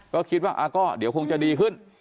ก็คิดว่าก็เดี๋ยวคงจะดีขึ้น